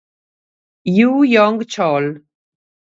Ju Jong-chol